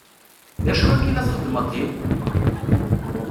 D acu akka i la txeddmeḍ din?